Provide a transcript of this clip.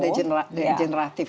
ya makin ada degeneratif